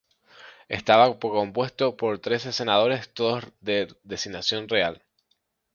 Estaba compuesto por trece senadores, todos de designación real.